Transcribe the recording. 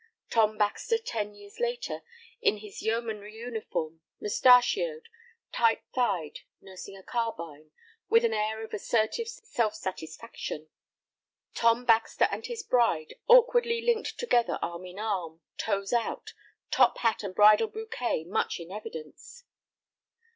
Tom Baxter, ten years later, in his Yeomanry uniform, mustachioed, tight thighed, nursing a carbine, with an air of assertive self satisfaction. Tom Baxter and his bride awkwardly linked together arm in arm, toes out, top hat and bridal bouquet much in evidence.